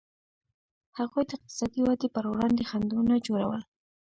هغوی د اقتصادي ودې پر وړاندې خنډونه جوړول.